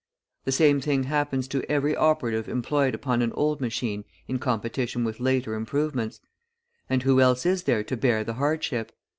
The same thing happens to every operative employed upon an old machine in competition with later improvements. And who else is there to bear the hardship?